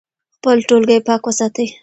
خپل ټولګی پاک وساتئ.